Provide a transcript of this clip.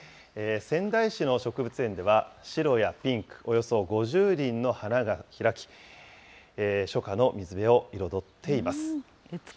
仙台市の植物園では、白やピンク、およそ５０輪の花が開き、初夏の水辺を彩っています。